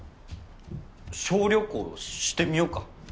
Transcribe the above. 小旅行してみようか。